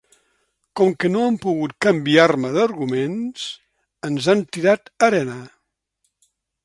Com que no han pogut canviar-me d’arguments, ens han tirat arena.